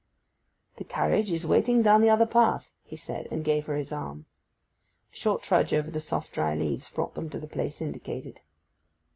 'The carriage is waiting down the other path,' he said, and gave her his arm. A short trudge over the soft dry leaves brought them to the place indicated.